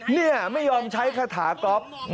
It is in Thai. นี่ไม่ยอมใช้คาถาก๊อฟ